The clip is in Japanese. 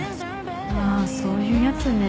あぁそういうやつね。